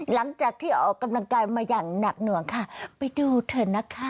หลังจากที่ออกกำลังกายมาอย่างหนักหน่วงค่ะไปดูเถอะนะคะ